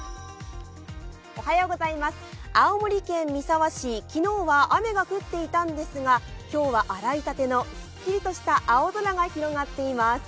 青森県三沢市、昨日は雨が降っていたんですが今日は洗いたてのすっきりとした青空が広がっています。